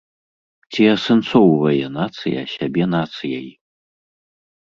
Ці асэнсоўвае нацыя сябе нацыяй?